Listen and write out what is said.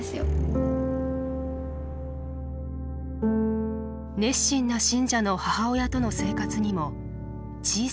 熱心な信者の母親との生活にも小さな変化があったという。